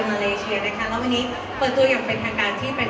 ในสี่ประเทศทั้งเกาหลีใต้ตุรกี